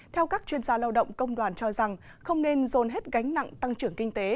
theo các chuyên gia lao động công đoàn cho rằng không nên dồn hết gánh nặng tăng trưởng kinh tế